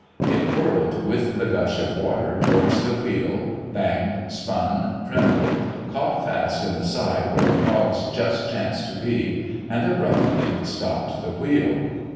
It whirled with the gush of water towards the wheel, banged, spun, trembled, caught fast in the side where the cogs just chanced to be and abruptly stopped the wheel.